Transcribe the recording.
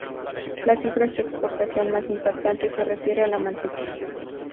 Las cifras de exportación más impactantes se refieren a la mantequilla.